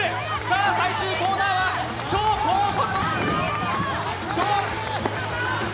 最終コーナーは超高速。